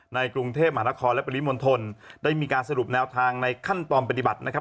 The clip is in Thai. ในกรุงเทพมหานครและปริมณฑลได้มีการสรุปแนวทางในขั้นตอนปฏิบัตินะครับ